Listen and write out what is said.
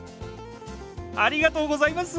ありがとうございます！